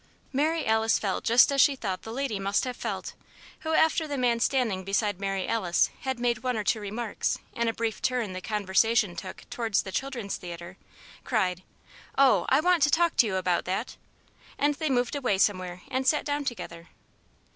Mary Alice felt just as she thought the lady must have felt who, after the man standing beside Mary Alice had made one or two remarks, in a brief turn the conversation took towards the Children's Theatre, cried: "Oh! I want to talk to you about that." And they moved away somewhere and sat down together.